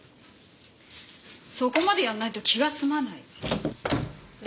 そこまでやんないと気がすまないわ。